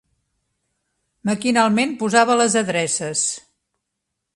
Maquinalment posava les adreces.